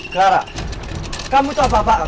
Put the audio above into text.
clara kamu tau apa apaan